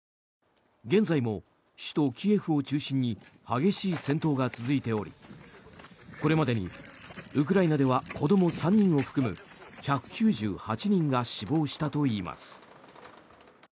現在も首都キエフを中心に激しい戦闘が続いておりこれまでにウクライナでは子ども３人を含む１９８人が死亡したといいます。